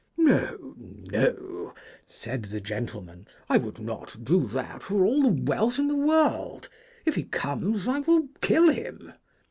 ' No, no,' said the gentleman ;' I would not do that for all the wealth in the world ; if he comes I will kill him.'